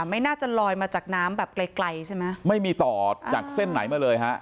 ไม่น่าจะลอยมาจากน้ำแบบไกลไกลใช่ไหมไม่มีต่อจากเส้นไหนมาเลยฮะ